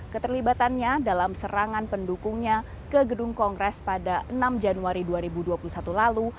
keterlibatannya dalam serangan pendukungnya ke gedung kongres pada enam januari dua ribu dua puluh satu lalu